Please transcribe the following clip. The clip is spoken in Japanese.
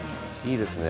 いいですね。